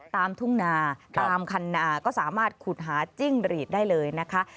ตามทุ่งนาตามคันนาก็สามารถขุดหาจิ้งหรีดได้เลยนะคะ